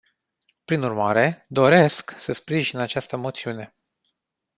Prin urmare, doresc, să sprijin această moțiune.